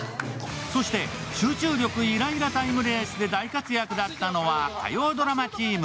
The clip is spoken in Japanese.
そして、集中力イライラタイムレースで大活躍だったのは、火曜ドラマチーム。